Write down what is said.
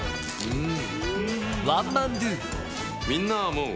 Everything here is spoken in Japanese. うん。